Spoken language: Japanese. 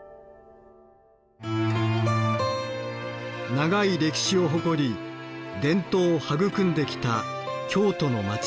長い歴史を誇り伝統を育んできた京都の街。